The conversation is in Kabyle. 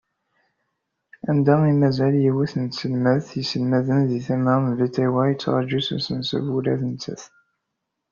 Anda i mazal yiwet n tselmadt yesselmaden di tama n Beṭṭiwa yettraju-tt usenṣeb ula d nettat.